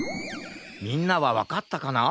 みんなはわかったかな？